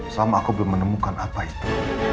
selama aku belum menemukan apa itu